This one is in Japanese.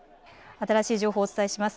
新しい情報をお伝えします。